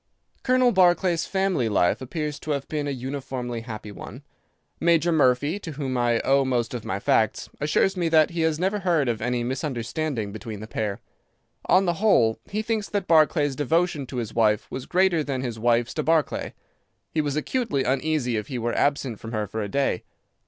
"Colonel Barclay's family life appears to have been a uniformly happy one. Major Murphy, to whom I owe most of my facts, assures me that he has never heard of any misunderstanding between the pair. On the whole, he thinks that Barclay's devotion to his wife was greater than his wife's to Barclay. He was acutely uneasy if he were absent from her for a day.